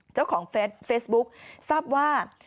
เจ้าของเฟซบุ๊กทราบว่า